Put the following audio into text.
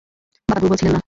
বাবা দুর্বল ছিলেন না।